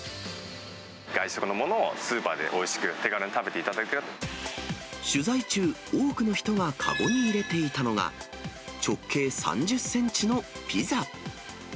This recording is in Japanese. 外食のものをスーパーでおい取材中、多くの人が籠に入れていたのが、直径３０センチのピザ。